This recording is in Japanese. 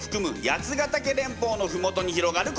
八ヶ岳連峰のふもとに広がる